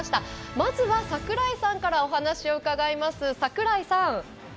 まずは櫻井さんからお話伺います。